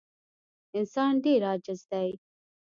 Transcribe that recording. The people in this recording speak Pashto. انسان ډېر عاجز دی.